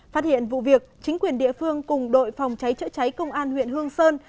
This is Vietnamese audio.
phát hiện vụ việc chính quyền địa phương cùng đội phòng cháy chữa cháy công an huyện hương sơn